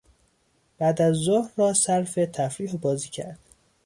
بعدازظهر را صرف تفریح و بازی کرد.